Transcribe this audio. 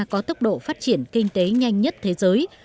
có tốc độ phát triển kinh tế nhanh nhất thế giới